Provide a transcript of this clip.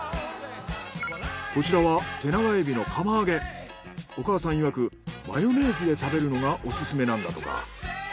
こちらはお母さんいわくマヨネーズで食べるのがオススメなんだとか。